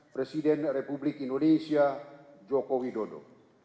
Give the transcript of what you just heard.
presiden republik indonesia joko widodo